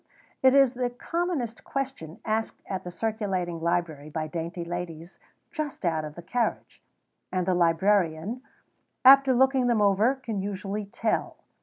It is the commonest question asked at the circulating library by dainty ladies just out of the carriage; and the librarian, after looking them over, can usually tell.